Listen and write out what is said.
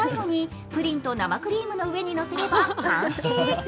最後にプリンと生クリームの上にのせれば完成。